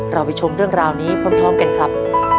เราไปชมเรื่องราวนี้พร้อมกันครับ